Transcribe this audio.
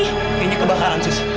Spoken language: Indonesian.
kayaknya kebakaran suster